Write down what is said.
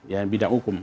ya bidang hukum